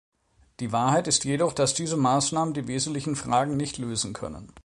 Die Wahrheit ist jedoch, dass diese Maßnahmen die wesentlichen Fragen nicht lösen können.